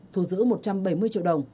thu giữ một trăm bảy mươi triệu đồng